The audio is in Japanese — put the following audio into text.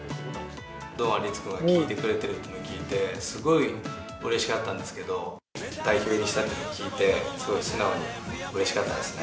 堂安律君が聴いてくれているのを聴いて、すごいうれしかったんですけど、代表入りしたっていうのを聞いて、すごい素直にうれしかったですね。